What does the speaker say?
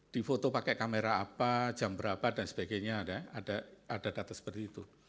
di foto pakai kamera apa jam berapa dan sebagainya ada data seperti itu